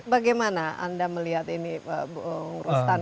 bagaimana anda melihat ini pak bung rustan